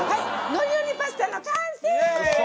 のりのりパスタの完成です！